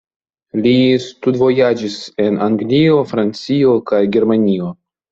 Li studvojaĝis en Anglio, Francio kaj Germanio.